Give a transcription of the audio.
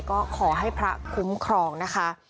ก็ขอให้พระคุ้มครองนะคะ